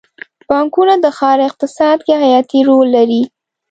بانکونه د ښار اقتصاد کې حیاتي رول لري.